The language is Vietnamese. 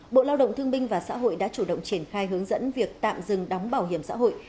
bộ lao động thương binh và xã hội đã chủ động triển khai hướng dẫn việc tạm dừng đóng bảo hiểm xã hội